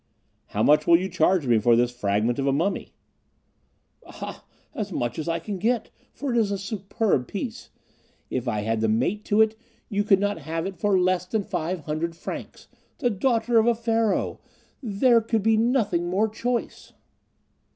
"How much will you charge me for this fragment of a mummy?" "Ah, as much as I can get; for it is a superb piece; if I had the mate to it, you could not have it for less than five hundred francs the daughter of a Pharaoh! there could be nothing more choice."